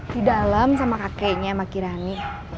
di dalam sama kakeknya sama kirani